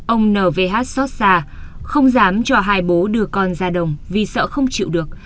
ông n vh xót xa không dám cho hai bố đưa con ra đồng vì sợ không chịu được